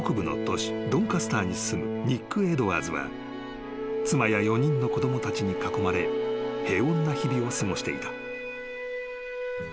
ドンカスターに住むニック・エドワーズは妻や４人の子供たちに囲まれ平穏な日々を過ごしていた］